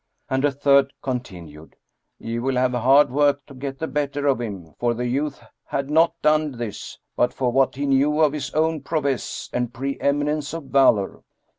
And a third continued, "Ye will have hard work to get the better of him; for the youth had not done this, but for what he knew of his own prowess and pre eminence of valour."